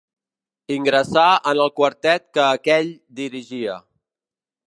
Ingressà en el quartet que aquell dirigia.